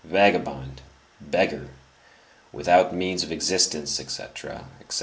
vagabond, beggar, without means of existence, etc., etc.